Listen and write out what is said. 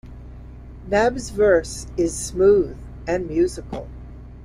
Nabbes' verse is smooth and musical.